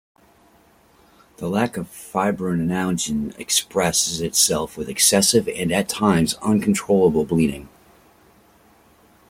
The lack of fibrinogen expresses itself with excessive and, at times, uncontrollable bleeding.